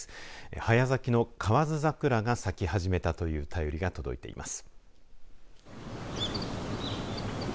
早咲きのかわづ桜が咲き始めたという便りが届いています。